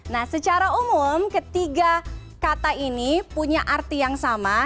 nah secara umum ketiga kata ini punya arti yang sama